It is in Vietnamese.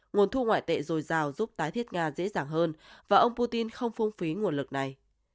nguồn thu ngoại tệ dồi dào giúp tái thiết nga dễ dàng hơn và ông putin không phung phí nguồn lực này